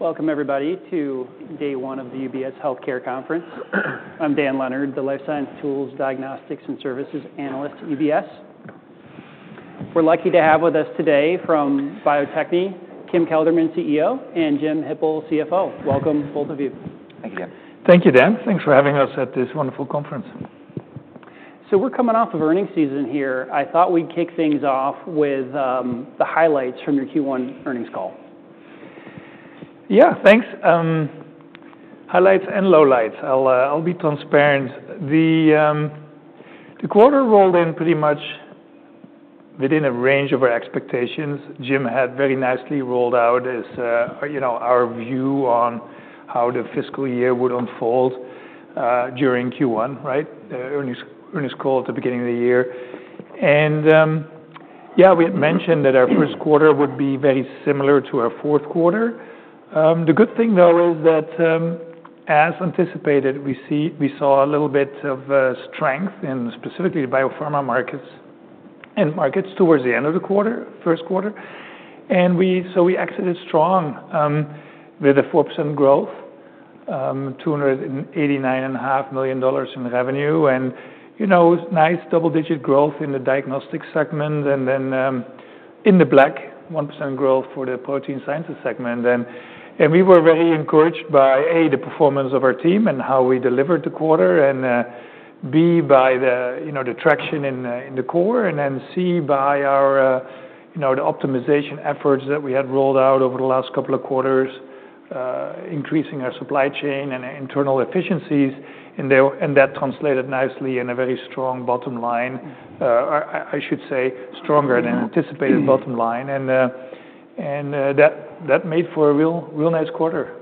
Welcome, everybody, to day one of the UBS Healthcare Conference. I'm Dan Leonard, the Life Science Tools, Diagnostics, and Services Analyst at UBS. We're lucky to have with us today from Bio-Techne, Kim Kelderman, CEO, and Jim Hippel, CFO. Welcome, both of you. Thank you, Dan. Thank you, Dan. Thanks for having us at this wonderful conference. So we're coming off of earnings season here. I thought we'd kick things off with the highlights from your Q1 earnings call. Yeah, thanks. Highlights and lowlights. I'll be transparent. The quarter rolled in pretty much within a range of our expectations. Jim had very nicely rolled out our view on how the fiscal year would unfold during Q1, right? Earnings call at the beginning of the year, and yeah, we had mentioned that our first quarter would be very similar to our fourth quarter. The good thing, though, is that, as anticipated, we saw a little bit of strength in specifically the biopharma markets and markets towards the end of the quarter, first quarter. And so we exited strong with a 4% growth, $289.5 million in revenue, and nice double-digit growth in the diagnostic segment, and then in the black, 1% growth for the protein sciences segment. We were very encouraged by, A, the performance of our team and how we delivered the quarter, and B, by the traction in the core, and then C, by the optimization efforts that we had rolled out over the last couple of quarters, increasing our supply chain and internal efficiencies. That translated nicely in a very strong bottom line, I should say, stronger than anticipated bottom line. That made for a real nice quarter.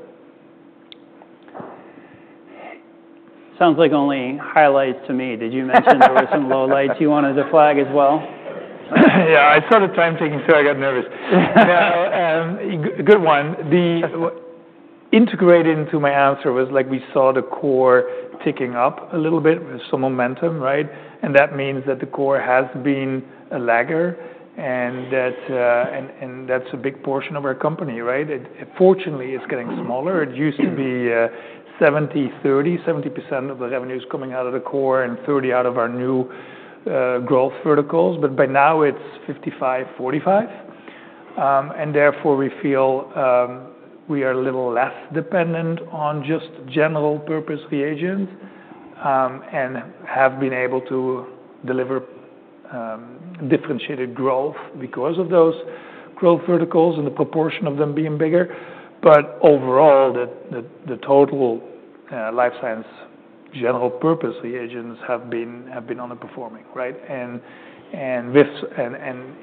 Sounds like only highlights to me. Did you mention there were some lowlights you wanted to flag as well? Yeah, I started time ticking, so I got nervous. Good one. The integrated into my answer was, like, we saw the core ticking up a little bit, some momentum, right? And that means that the core has been a laggard, and that's a big portion of our company, right? It fortunately is getting smaller. It used to be 70/30, 70% of the revenues coming out of the core and 30% out of our new growth verticals. But by now, it's 55/45. And therefore, we feel we are a little less dependent on just general purpose reagents and have been able to deliver differentiated growth because of those growth verticals and the proportion of them being bigger. But overall, the total life science general purpose reagents have been underperforming, right? And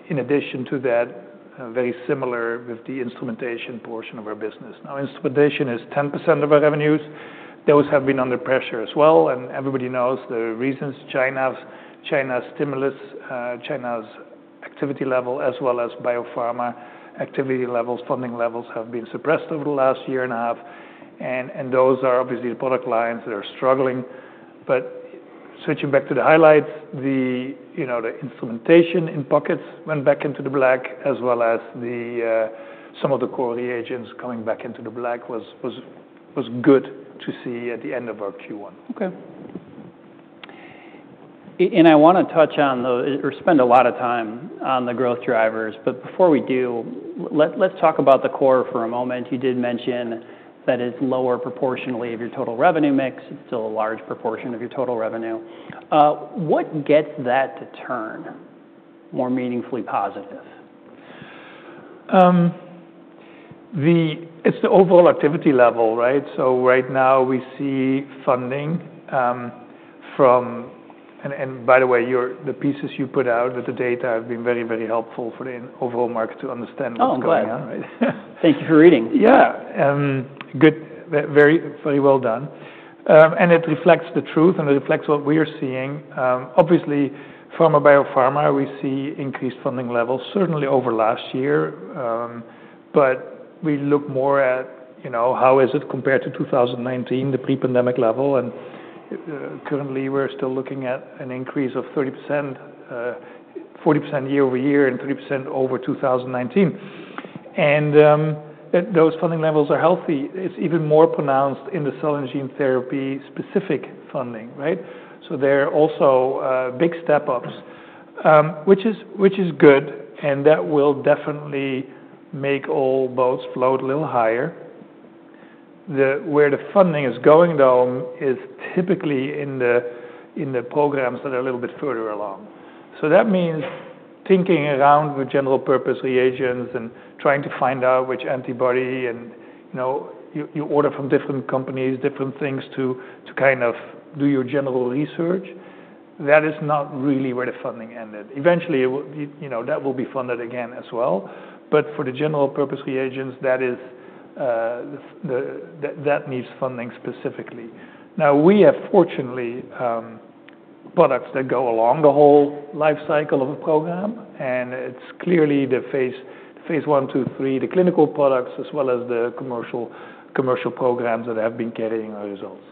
in addition to that, very similar with the instrumentation portion of our business. Now, instrumentation is 10% of our revenues. Those have been under pressure as well. And everybody knows the reasons. China's stimulus, China's activity level, as well as biopharma activity levels, funding levels have been suppressed over the last year and a half. And those are obviously the product lines that are struggling. But switching back to the highlights, the instrumentation in pockets went back into the black, as well as some of the core reagents coming back into the black was good to see at the end of our Q1. Okay. And I want to touch on, or spend a lot of time on the growth drivers. But before we do, let's talk about the core for a moment. You did mention that it's lower proportionally of your total revenue mix. It's still a large proportion of your total revenue. What gets that to turn more meaningfully positive? It's the overall activity level, right? So right now, we see funding from, and by the way, the pieces you put out with the data have been very, very helpful for the overall market to understand what's going on, right? Thank you for reading. Yeah. Very well done. And it reflects the truth, and it reflects what we are seeing. Obviously, pharma/bio-pharma, we see increased funding levels, certainly over last year. But we look more at how is it compared to 2019, the pre-pandemic level. And currently, we're still looking at an increase of 30%-40% year over year, and 30% over 2019. And those funding levels are healthy. It's even more pronounced in the cell and gene therapy specific funding, right? So there are also big step-ups, which is good, and that will definitely make all boats float a little higher. Where the funding is going, though, is typically in the programs that are a little bit further along. So that means tinkering around with general purpose reagents and trying to find out which antibody you order from different companies, different things to kind of do your general research. That is not really where the funding ended. Eventually, that will be funded again as well. But for the general purpose reagents, that needs funding specifically. Now, we have fortunately products that go along the whole life cycle of a program, and it's clearly the phase one, two, three, the clinical products, as well as the commercial programs that have been carrying our results.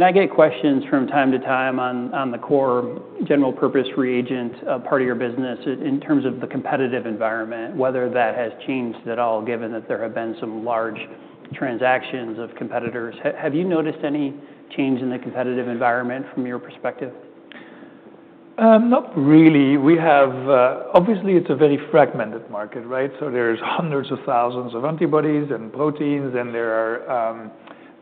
I get questions from time to time on the core general purpose reagent part of your business in terms of the competitive environment, whether that has changed at all, given that there have been some large transactions of competitors. Have you noticed any change in the competitive environment from your perspective? Not really. Obviously, it's a very fragmented market, right? So there's hundreds of thousands of antibodies and proteins, and there are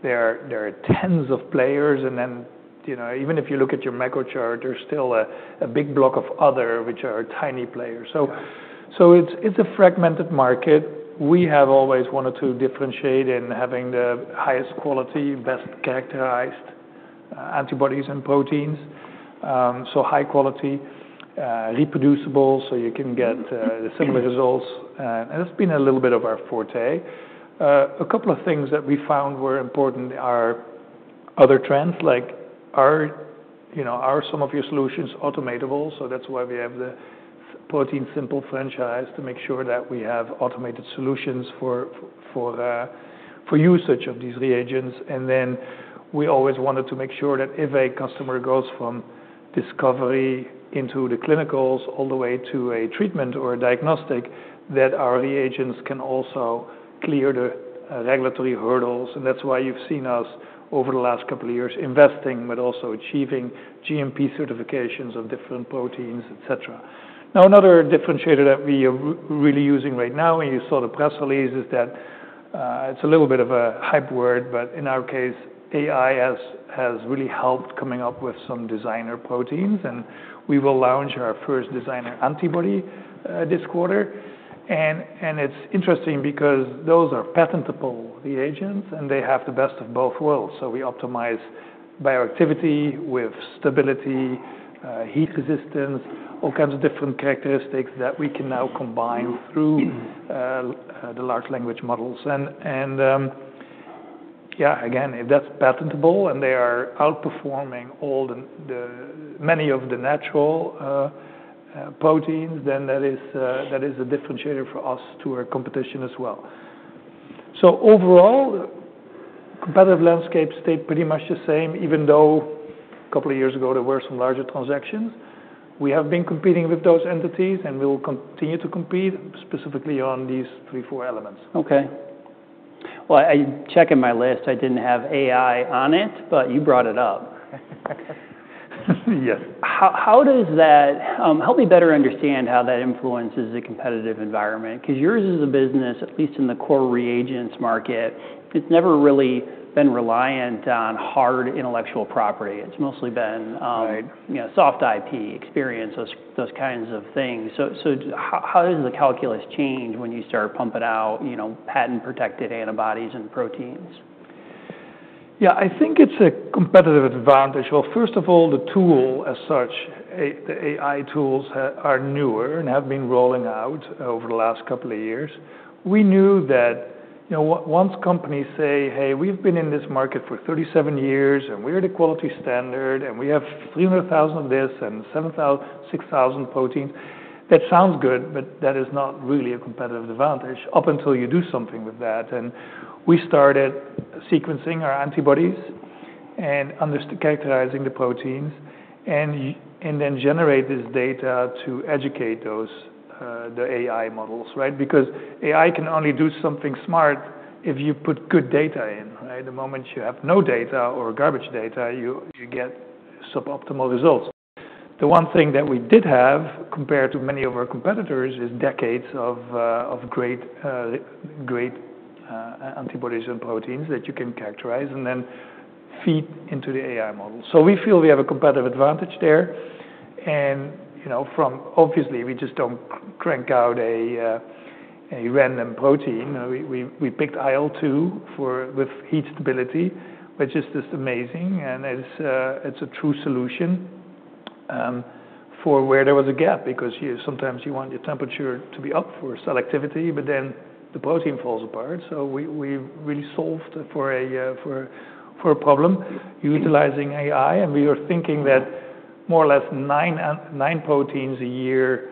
tens of players. And then even if you look at your microchart, there's still a big block of other, which are tiny players. So it's a fragmented market. We have always wanted to differentiate in having the highest quality, best characterized antibodies and proteins. So high quality, reproducible, so you can get similar results. And that's been a little bit of our forte. A couple of things that we found were important are other trends, like are some of your solutions automatable? So that's why we have the ProteinSimple franchise to make sure that we have automated solutions for usage of these reagents. And then we always wanted to make sure that if a customer goes from discovery into the clinicals all the way to a treatment or a diagnostic, that our reagents can also clear the regulatory hurdles. And that's why you've seen us over the last couple of years investing, but also achieving GMP certifications of different proteins, et cetera. Now, another differentiator that we are really using right now, and you saw the press release, is that it's a little bit of a hype word, but in our case, AI has really helped coming up with some designer proteins. And we will launch our first designer antibody this quarter. And it's interesting because those are patentable reagents, and they have the best of both worlds. So we optimize bioactivity with stability, heat resistance, all kinds of different characteristics that we can now combine through the large language models. Yeah, again, if that's patentable and they are outperforming many of the natural proteins, then that is a differentiator for us to our competition as well. Overall, competitive landscapes stay pretty much the same, even though a couple of years ago, there were some larger transactions. We have been competing with those entities, and we will continue to compete specifically on these three, four elements. Okay. I checked in my list. I didn't have AI on it, but you brought it up. Yes. How does that help me better understand how that influences the competitive environment? Because yours is a business, at least in the core reagents market, it's never really been reliant on hard intellectual property. It's mostly been soft IP, experience, those kinds of things. So how does the calculus change when you start pumping out patent-protected antibodies and proteins? Yeah, I think it's a competitive advantage. Well, first of all, the tool as such, the AI tools are newer and have been rolling out over the last couple of years. We knew that once companies say, "Hey, we've been in this market for 37 years, and we are the quality standard, and we have 300,000 of this and 6,000 proteins," that sounds good, but that is not really a competitive advantage up until you do something with that. And we started sequencing our antibodies and characterizing the proteins and then generate this data to educate the AI models, right? Because AI can only do something smart if you put good data in. The moment you have no data or garbage data, you get suboptimal results. The one thing that we did have compared to many of our competitors is decades of great antibodies and proteins that you can characterize and then feed into the AI model. So we feel we have a competitive advantage there. And obviously, we just don't crank out a random protein. We picked IL-2 with heat stability, which is just amazing. And it's a true solution for where there was a gap because sometimes you want your temperature to be up for selectivity, but then the protein falls apart. So we really solved for a problem utilizing AI. And we were thinking that more or less nine proteins a year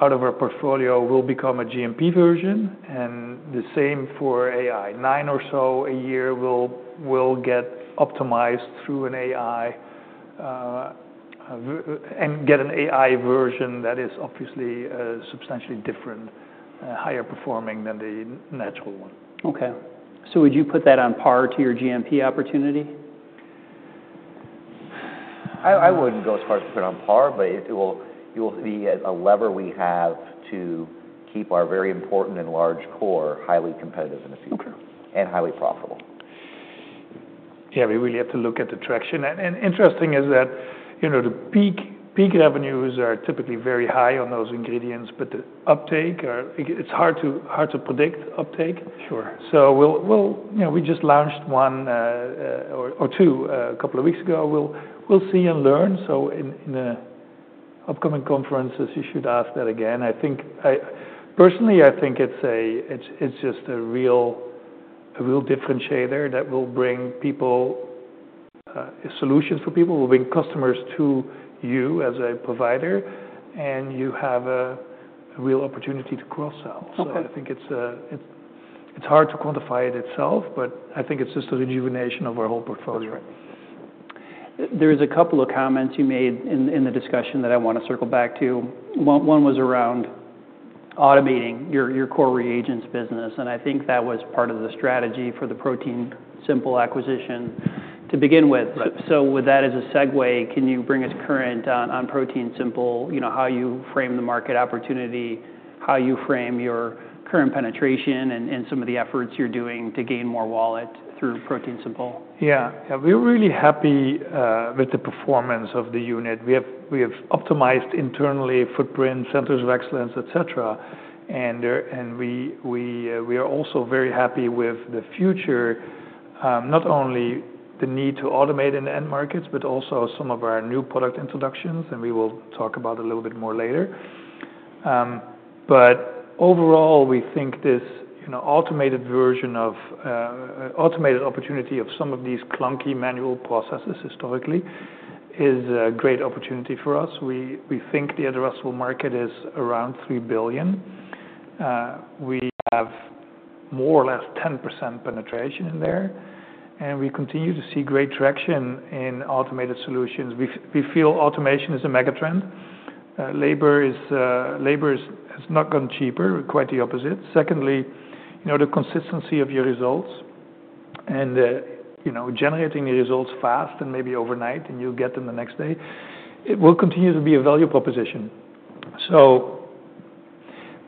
out of our portfolio will become a GMP version. And the same for AI. Nine or so a year will get optimized through an AI and get an AI version that is obviously substantially different, higher performing than the natural one. Okay. So, would you put that on par to your GMP opportunity? I wouldn't go as far as to put it on par, but it will be a lever we have to keep our very important and large core highly competitive in the future and highly profitable. Yeah, we really have to look at the traction, and interesting is that the peak revenues are typically very high on those ingredients, but the uptake, it's hard to predict uptake. So we just launched one or two a couple of weeks ago. We'll see and learn. So in the upcoming conferences, you should ask that again. Personally, I think it's just a real differentiator that will bring solutions for people, will bring customers to you as a provider, and you have a real opportunity to cross-sell. So I think it's hard to quantify it itself, but I think it's just a rejuvenation of our whole portfolio. There is a couple of comments you made in the discussion that I want to circle back to. One was around automating your core reagents business. And I think that was part of the strategy for the ProteinSimple acquisition to begin with. So with that as a segue, can you bring us current on ProteinSimple, how you frame the market opportunity, how you frame your current penetration, and some of the efforts you're doing to gain more wallet through ProteinSimple? Yeah. We're really happy with the performance of the unit. We have optimized internally footprint, centers of excellence, et cetera, and we are also very happy with the future, not only the need to automate in end markets, but also some of our new product introductions, and we will talk about a little bit more later. Overall, we think this automated opportunity of some of these clunky manual processes historically is a great opportunity for us. We think the addressable market is around $3 billion. We have more or less 10% penetration in there. We continue to see great traction in automated solutions. We feel automation is a megatrend. Labor has not gone cheaper, quite the opposite. Secondly, the consistency of your results and generating your results fast and maybe overnight, and you'll get them the next day, it will continue to be a value proposition. So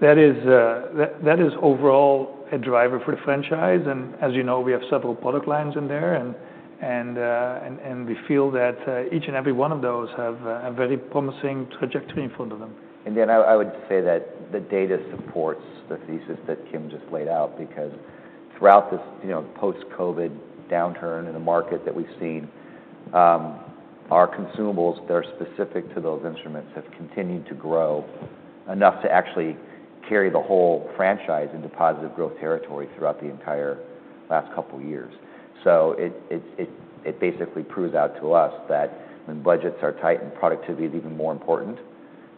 that is overall a driver for the franchise. And as you know, we have several product lines in there. And we feel that each and every one of those have a very promising trajectory in front of them. I would say that the data supports the thesis that Kim just laid out because throughout this post-COVID downturn in the market that we've seen, our consumables that are specific to those instruments have continued to grow enough to actually carry the whole franchise into positive growth territory throughout the entire last couple of years. It basically proves out to us that when budgets are tight and productivity is even more important,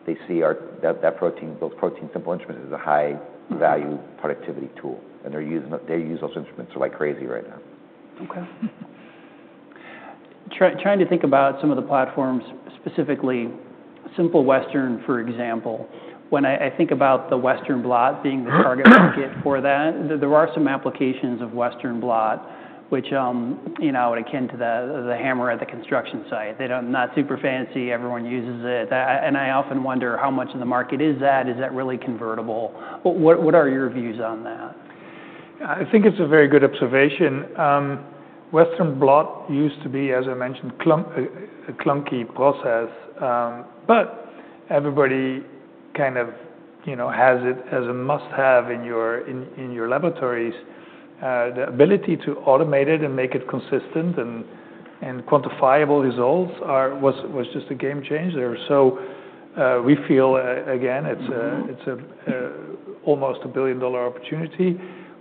they see those ProteinSimple instruments as a high-value productivity tool. They use those instruments like crazy right now. Okay. Trying to think about some of the platforms, specifically Simple Western, for example, when I think about the Western Blot being the target market for that, there are some applications of Western Blot, which are akin to the hammer at the construction site. They're not super fancy. Everyone uses it. And I often wonder how much of the market is that? Is that really convertible? What are your views on that? I think it's a very good observation. Western Blot used to be, as I mentioned, a clunky process, but everybody kind of has it as a must-have in your laboratories. The ability to automate it and make it consistent and quantifiable results was just a game changer. So we feel, again, it's almost a $1 billion opportunity.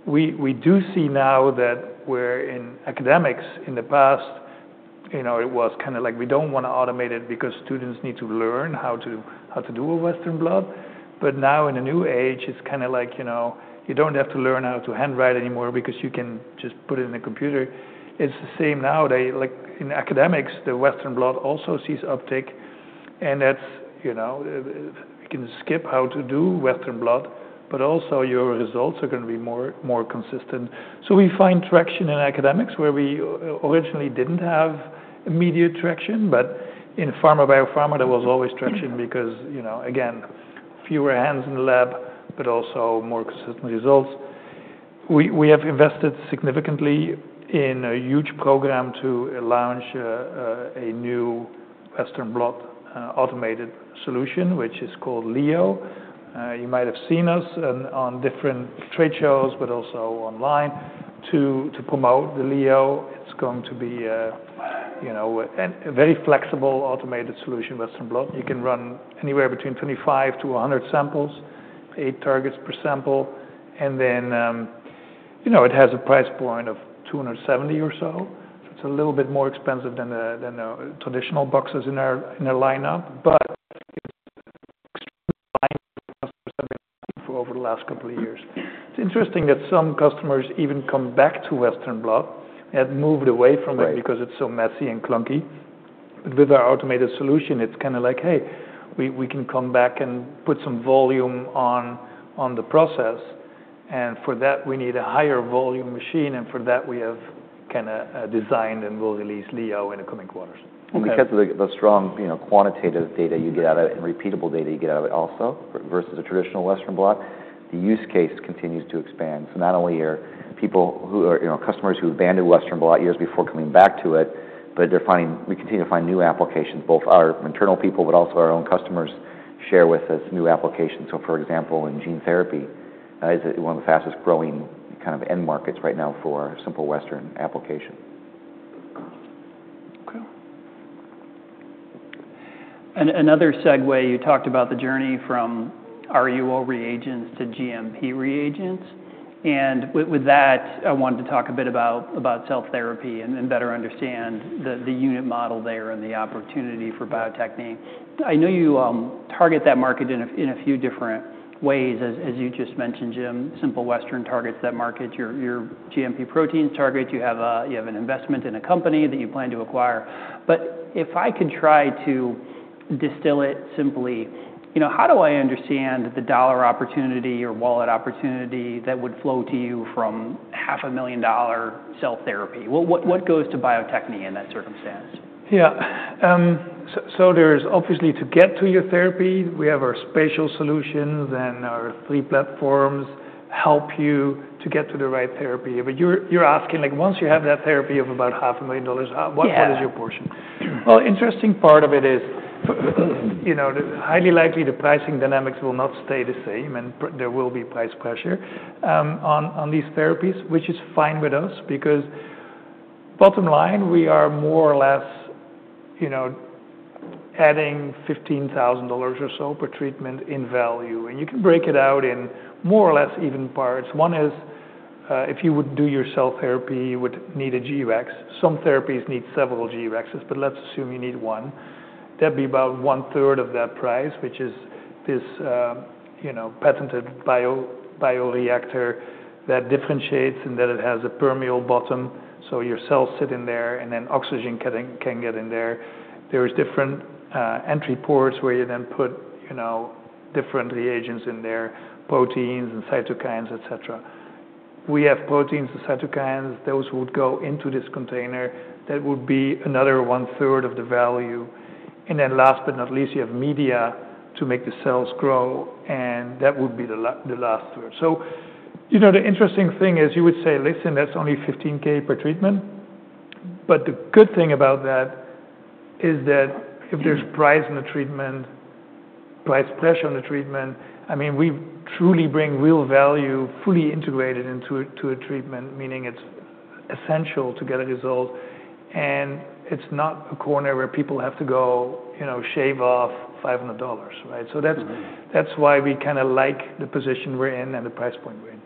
We do see now that we're in academics. In the past, it was kind of like we don't want to automate it because students need to learn how to do a Western Blot. But now in a new age, it's kind of like you don't have to learn how to handwrite anymore because you can just put it in the computer. It's the same now. In academics, the Western Blot also sees uptake. And we can skip how to do Western Blot, but also your results are going to be more consistent. So we find traction in academics where we originally didn't have immediate traction, but in pharma/bio-pharma, there was always traction because, again, fewer hands in the lab, but also more consistent results. We have invested significantly in a huge program to launch a new Western Blot automated solution, which is called Leo. You might have seen us on different trade shows, but also online to promote the Leo. It's going to be a very flexible automated solution, Western Blot. You can run anywhere between 25 to 100 samples, eight targets per sample, and then it has a price point of $270 or so. It's a little bit more expensive than the traditional boxes in our lineup, but it's extremely aligned with what customers have been wanting for over the last couple of years. It's interesting that some customers even come back to Western Blot and moved away from it because it's so messy and clunky. But with our automated solution, it's kind of like, "Hey, we can come back and put some volume on the process." And for that, we need a higher volume machine. And for that, we have kind of designed and will release Leo in the coming quarters. And because of the strong quantitative data you get out of it and repeatable data you get out of it also versus a traditional Western Blot, the use case continues to expand. So not only are people who are customers who abandoned Western Blot years before coming back to it, but we continue to find new applications. Both our internal people, but also our own customers share with us new applications. So for example, in gene therapy, it's one of the fastest growing kind of end markets right now for Simple Western application. Okay. Another segue, you talked about the journey from RUO reagents to GMP reagents. And with that, I wanted to talk a bit about cell therapy and better understand the unit model there and the opportunity for Bio-Techne. I know you target that market in a few different ways, as you just mentioned, Jim. Simple Western targets that market. Your GMP proteins target. You have an investment in a company that you plan to acquire. But if I could try to distill it simply, how do I understand the dollar opportunity or wallet opportunity that would flow to you from $500,000 cell therapy? What goes to Bio-Techne in that circumstance? Yeah. So there's obviously to get to your therapy, we have our spatial solutions and our three platforms help you to get to the right therapy. But you're asking once you have that therapy of about $500,000, what is your portion? Well, the interesting part of it is highly likely the pricing dynamics will not stay the same, and there will be price pressure on these therapies, which is fine with us because bottom line, we are more or less adding $15,000 or so per treatment in value. And you can break it out in more or less even parts. One is if you would do your self-therapy, you would need a G-Rex. Some therapies need several G-Rexs, but let's assume you need one. That'd be about one-third of that price, which is this patented bioreactor that differentiates in that it has a permeable bottom, so your cells sit in there and then oxygen can get in there. There are different entry ports where you then put different reagents in there, proteins and cytokines, et cetera. We have proteins and cytokines. Those would go into this container. That would be another one-third of the value. And then last but not least, you have media to make the cells grow. And that would be the last third. So the interesting thing is you would say, "Listen, that's only $15,000 per treatment." But the good thing about that is that if there's price on the treatment, price pressure on the treatment, I mean, we truly bring real value fully integrated into a treatment, meaning it's essential to get a result. It's not a corner where people have to go shave off $500, right? That's why we kind of like the position we're in and the price point we're in.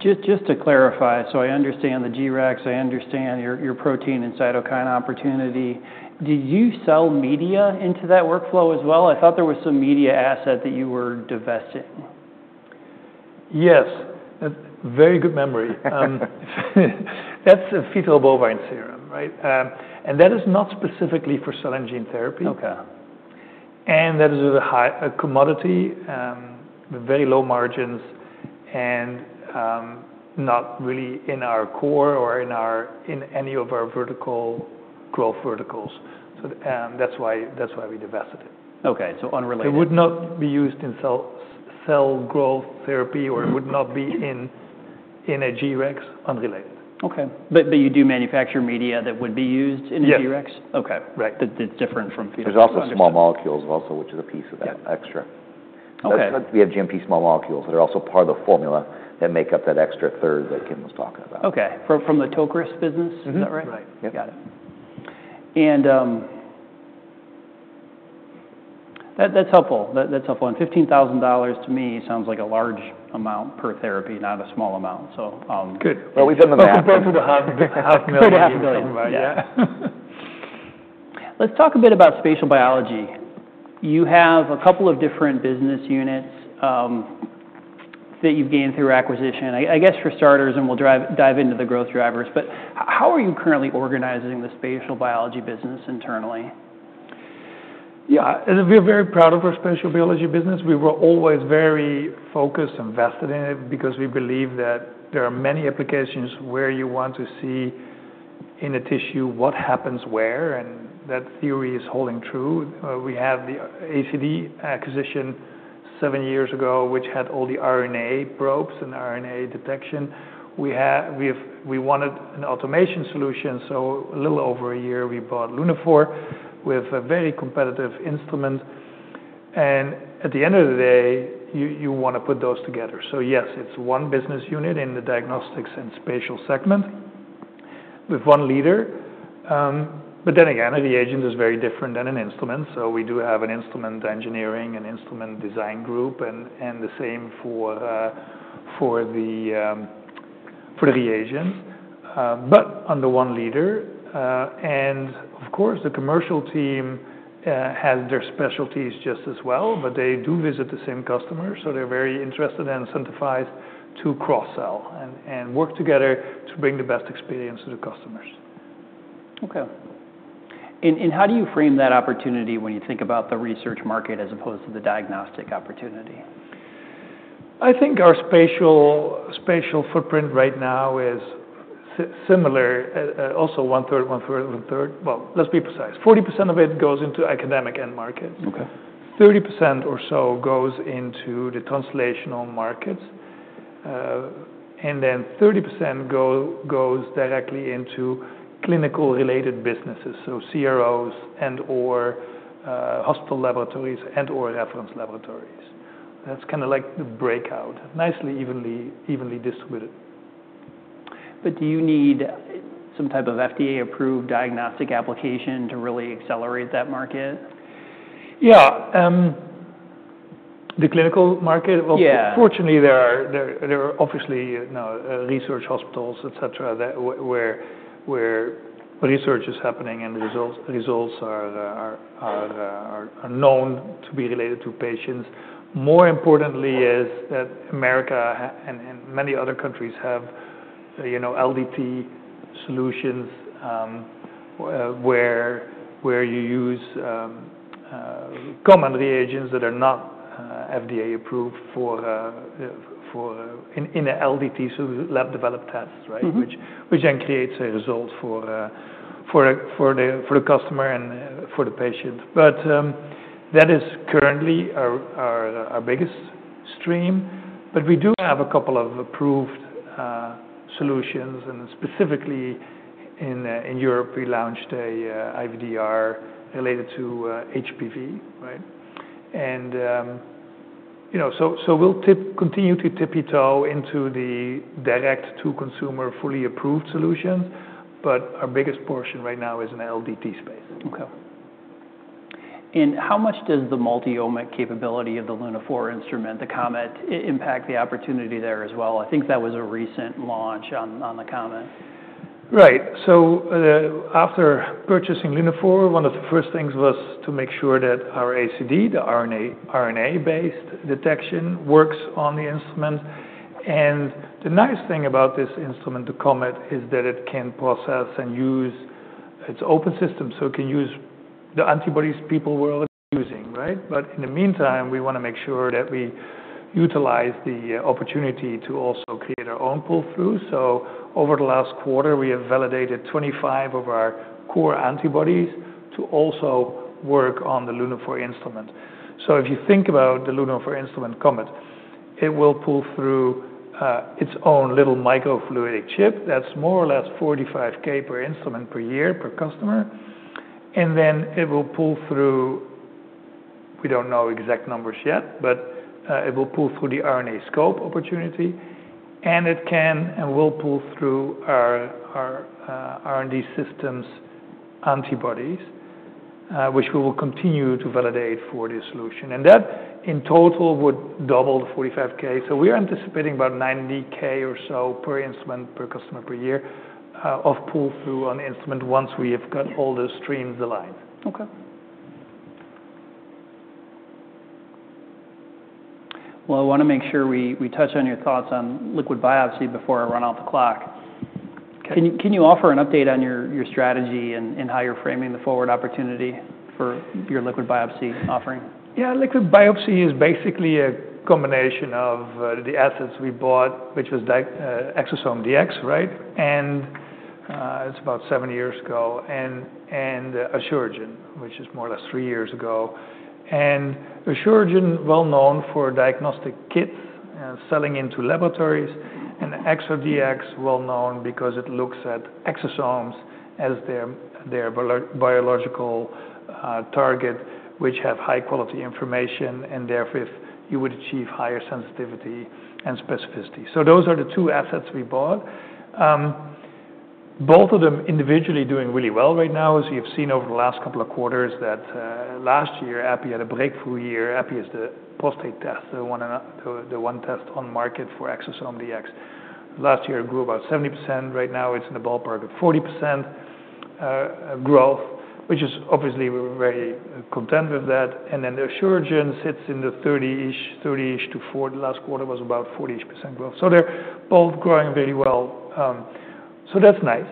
Just to clarify, so I understand the G-Rex. I understand your protein and cytokine opportunity. Do you sell media into that workflow as well? I thought there was some media asset that you were divesting. Yes. Very good memory. That's a Fetal Bovine Serum, right? And that is not specifically for cell and gene therapy. And that is a commodity with very low margins and not really in our core or in any of our vertical growth verticals. So that's why we divested it. Okay, so unrelated. It would not be used in cell growth therapy or would not be in a G-Rex. Unrelated. Okay. But you do manufacture media that would be used in a G-Rex? Yes. Okay. That's different from fetal bovine. There's also small molecules also, which is a piece of that extra. We have GMP small molecules that are also part of the formula that make up that extra third that Kim was talking about. Okay. From the Tocris business, is that right? Right. Got it. And that's helpful. And $15,000 to me sounds like a large amount per therapy, not a small amount. So. Good. Well, we've been to $500,000. We've been to 500,000. Yeah. Let's talk a bit about spatial biology. You have a couple of different business units that you've gained through acquisition. I guess for starters, and we'll dive into the growth drivers, but how are you currently organizing the spatial biology business internally? Yeah. We're very proud of our spatial biology business. We were always very focused and vested in it because we believe that there are many applications where you want to see in a tissue what happens where. And that theory is holding true. We had the ACD acquisition seven years ago, which had all the RNA probes and RNA detection. We wanted an automation solution. So a little over a year, we bought Lunaphore with a very competitive instrument. And at the end of the day, you want to put those together. So yes, it's one business unit in the diagnostics and spatial segment with one leader. But then again, a reagent is very different than an instrument. So we do have an instrument engineering, an instrument design group, and the same for the reagents, but under one leader. Of course, the commercial team has their specialties just as well, but they do visit the same customers. So they're very interested and incentivized to cross-sell and work together to bring the best experience to the customers. Okay. And how do you frame that opportunity when you think about the research market as opposed to the diagnostic opportunity? I think our spatial footprint right now is similar. Also one-third, one-third, one-third. Well, let's be precise. 40% of it goes into academic end markets. 30% or so goes into the translational markets. And then 30% goes directly into clinical-related businesses, so CROs and/or hospital laboratories and/or reference laboratories. That's kind of like the breakout. Nicely, evenly distributed. But do you need some type of FDA-approved diagnostic application to really accelerate that market? Yeah. The clinical market? Yeah. Fortunately, there are obviously research hospitals, et cetera, where research is happening and the results are known to be related to patients. More importantly, is that America and many other countries have LDT solutions where you use common reagents that are not FDA-approved in an LDT lab-developed test, right, which then creates a result for the customer and for the patient. But that is currently our biggest stream. But we do have a couple of approved solutions. And specifically in Europe, we launched an IVDR related to HPV, right? And so we'll continue to tippy-toe into the direct-to-consumer fully approved solutions. But our biggest portion right now is in the LDT space. Okay. And how much does the multi-omic capability of the Lunaphore instrument, the Comet, impact the opportunity there as well? I think that was a recent launch on the Comet. Right. After purchasing Lunaphore, one of the first things was to make sure that our ACD, the RNA-based detection, works on the instrument. The nice thing about this instrument, the Comet, is that it can process and use its open system. It can use the antibodies people were already using, right? In the meantime, we want to make sure that we utilize the opportunity to also create our own pull-through. Over the last quarter, we have validated 25 of our core antibodies to also work on the Lunaphore instrument. If you think about the Lunaphore instrument, COMET, it will pull through its own little microfluidic chip. That's more or less $45,000 per instrument per year per customer. Then it will pull through, we don't know exact numbers yet, but it will pull through the RNAscope opportunity. It can and will pull through our R&D Systems antibodies, which we will continue to validate for the solution. That in total would double the $45,000. We are anticipating about $90,000 or so per instrument per customer per year of pull-through on the instrument once we have got all the streams aligned. Okay, well, I want to make sure we touch on your thoughts on liquid biopsy before I run off the clock. Can you offer an update on your strategy and how you're framing the forward opportunity for your liquid biopsy offering? Yeah. Liquid biopsy is basically a combination of the assets we bought, which was Exosome Diagnostics, right? And it's about seven years ago. And Asuragen, which is more or less three years ago. And Asuragen, well known for diagnostic kits and selling into laboratories. And ExoDx, well known because it looks at exosomes as their biological target, which have high-quality information. And therefore, you would achieve higher sensitivity and specificity. So those are the two assets we bought. Both of them individually doing really well right now. As you've seen over the last couple of quarters, that last year, EPI had a breakthrough year. EPI is the prostate test, the one test on market for Exosome Diagnostics. Last year, it grew about 70%. Right now, it's in the ballpark of 40% growth, which is obviously we're very content with that. And then the Asuragen sits in the 30%-40%. Last quarter was about 40% growth, so they're both growing really well, so that's nice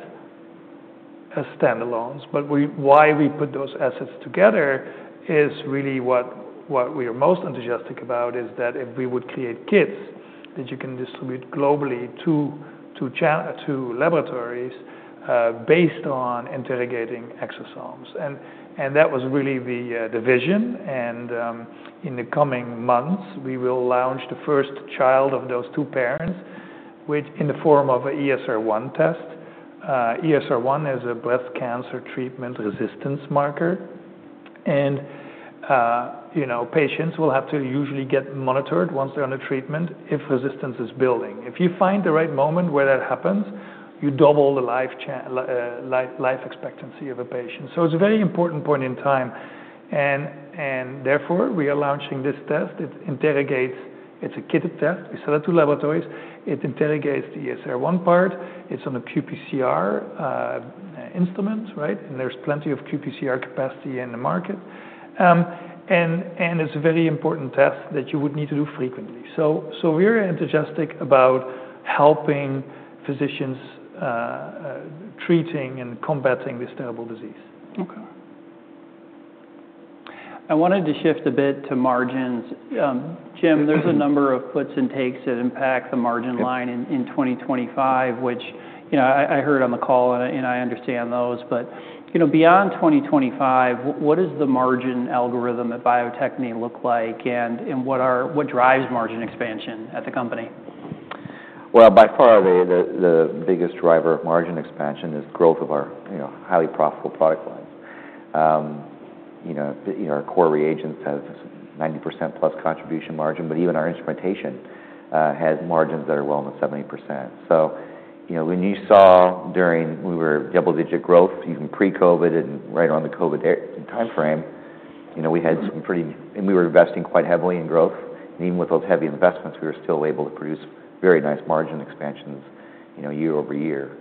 as stand-alones. But why we put those assets together is really what we are most enthusiastic about, that if we would create kits that you can distribute globally to laboratories based on interrogating exosomes, and that was really the vision. In the coming months, we will launch the first child of those two parents, which in the form of an ESR1 test. ESR1 is a breast cancer treatment resistance marker, and patients will have to usually get monitored once they're on the treatment if resistance is building. If you find the right moment where that happens, you double the life expectancy of a patient, so it's a very important point in time, and therefore, we are launching this test. It's a kitted test. We sell it to laboratories. It interrogates the ESR1 part. It's on a qPCR instrument, right? And there's plenty of qPCR capacity in the market. And it's a very important test that you would need to do frequently. So we're enthusiastic about helping physicians treating and combating this terrible disease. Okay. I wanted to shift a bit to margins. Jim, there's a number of puts and takes that impact the margin line in 2025, which I heard on the call, and I understand those. But beyond 2025, what does the margin algorithm at Bio-Techne look like? And what drives margin expansion at the company? By far, the biggest driver of margin expansion is growth of our highly profitable product lines. Our core reagents have 90% plus contribution margin, but even our instrumentation has margins that are well in the 70%. So when you saw during we were double-digit growth, even pre-COVID and right around the COVID timeframe, we had some pretty and we were investing quite heavily in growth. And even with those heavy investments, we were still able to produce very nice margin expansions year over year.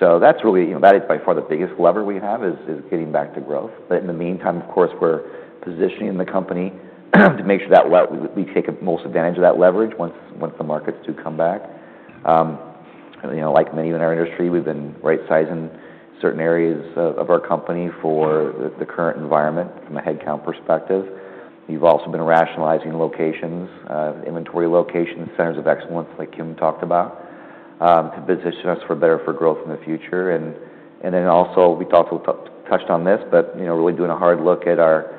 So that is by far the biggest lever we have is getting back to growth. But in the meantime, of course, we're positioning the company to make sure that we take the most advantage of that leverage once the markets do come back. Like many in our industry, we've been right-sizing certain areas of our company for the current environment from a headcount perspective. We've also been rationalizing locations, inventory locations, centers of excellence like Kim talked about, to position us for better for growth in the future, and then also, we touched on this, but really doing a hard look at our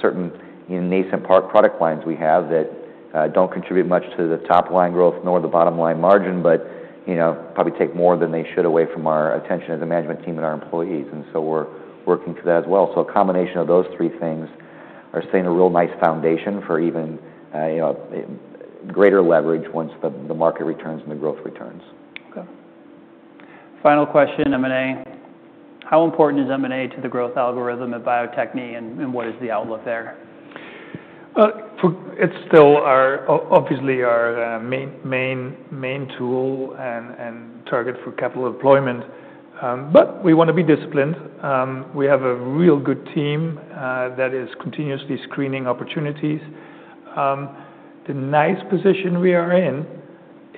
certain nascent product lines we have that don't contribute much to the top line growth nor the bottom line margin, but probably take more than they should away from our attention as a management team and our employees, and so we're working to that as well, so a combination of those three things are setting a real nice foundation for even greater leverage once the market returns and the growth returns. Okay. Final question, M&A. How important is M&A to the growth algorithm at Bio-Techne, and what is the outlook there? It's still obviously our main tool and target for capital deployment. But we want to be disciplined. We have a real good team that is continuously screening opportunities. The nice position we are in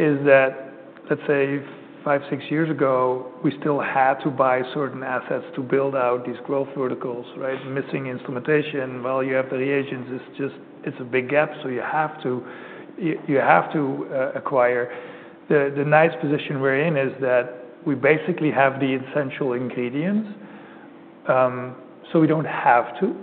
is that, let's say, five, six years ago, we still had to buy certain assets to build out these growth verticals, right? Missing instrumentation, while you have the reagents, it's a big gap. So you have to acquire. The nice position we're in is that we basically have the essential ingredients. So we don't have to.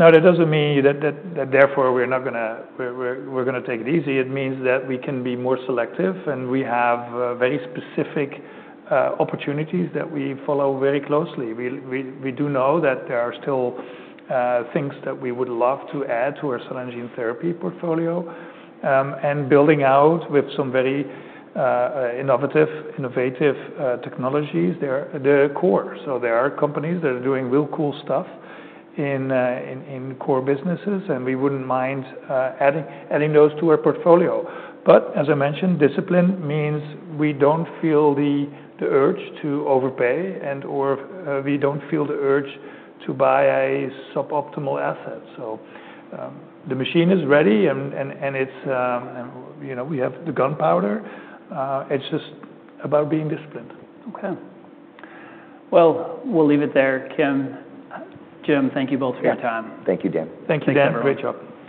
Now, that doesn't mean that therefore we're going to take it easy. It means that we can be more selective, and we have very specific opportunities that we follow very closely. We do know that there are still things that we would love to add to our cytokine therapy portfolio. Building out with some very innovative technologies, they're the core. There are companies that are doing real cool stuff in core businesses, and we wouldn't mind adding those to our portfolio. As I mentioned, discipline means we don't feel the urge to overpay, and/or we don't feel the urge to buy a suboptimal asset. The machine is ready, and we have the gunpowder. It's just about being disciplined. Okay. Well, we'll leave it there. Jim, thank you both for your time. Thank you, Jim. Thank you, Kelderman. Thanks, Kim. Great job.